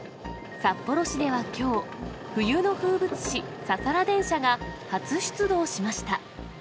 札幌市ではきょう、冬の風物詩、ササラ電車が初出動しました。